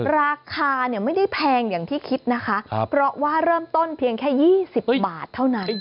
ราคาไม่ได้แพงอย่างที่คิดนะคะเพราะว่าเริ่มต้นเพียงแค่๒๐บาทเท่านั้น